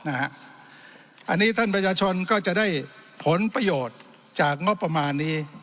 อันนี้ท่านประชาชนก็จะได้ผลประโยชน์จากงบประมาณนี้